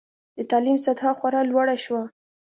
د تعلیم سطحه خورا لوړه شوه.